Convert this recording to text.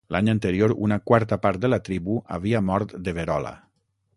L'any anterior una quarta part de la tribu havia mort de verola.